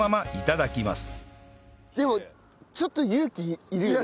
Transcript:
でもちょっと勇気いるよね。